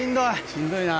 しんどいな。